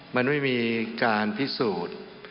มันไม่มีการพิสูจน์